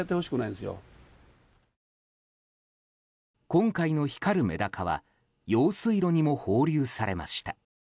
今回の光るメダカは用水路にも放流されました。